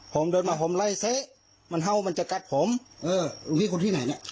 ผมเดินมาผมไล่เซะมันเห่ามันจะกัดผมเออหลวงพี่คนที่ไหนเนี่ย